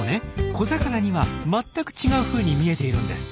小魚には全く違うふうに見えているんです。